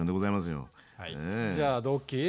じゃあドッキー。